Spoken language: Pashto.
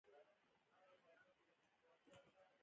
هیڅ ګټه وانه خیستله.